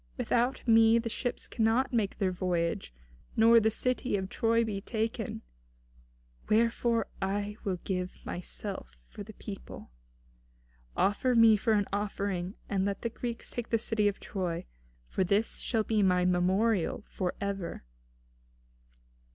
Without me the ships cannot make their voyage, nor the city of Troy be taken. Wherefore I will give myself for the people. Offer me for an offering; and let the Greeks take the city of Troy, for this shall be my memorial for ever."